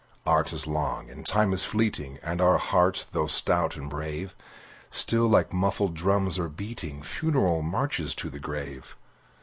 Art is long, and Time is fleeting, And our hearts, though stout and brave, Still, like muffled drums, are beating Funeral marches to the grave.